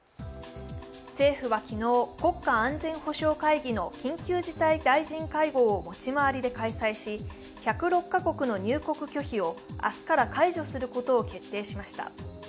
政府は昨日、国家安全保障会議の緊急事態大臣会合を持ち回りで開催し、１０６か国の入国拒否を明日から解除することを決定しました。